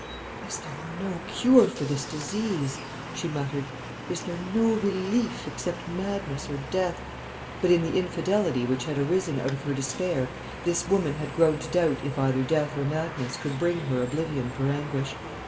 "Is there no cure for this disease?" she muttered. "Is there no relief except madness or death?" But in the infidelity which had arisen out of her despair this woman had grown to doubt if either death or madness could bring her oblivion of her anguish.